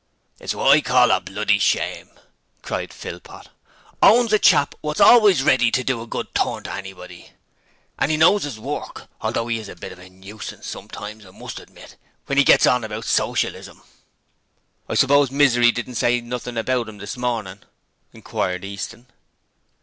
'It's wot I call a bl dy shame!' cried Philpot. 'Owen's a chap wots always ready to do a good turn to anybody, and 'e knows 'is work, although 'e is a bit of a nuisance sometimes, I must admit, when 'e gets on about Socialism.' 'I suppose Misery didn't say nothin' about 'im this mornin'?' inquired Easton.